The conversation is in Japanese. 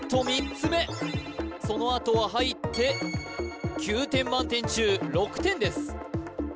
３つ目そのあとは入って９点満点中６点です